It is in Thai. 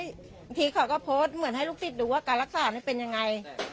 บางทีเขาก็โพสต์เหมือนให้ลูกศิษย์ดูว่าการรักษานี่เป็นยังไง